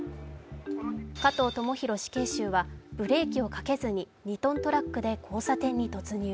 加藤智大死刑囚はブレーキをかけずに２ｔトラックで交差点に突入。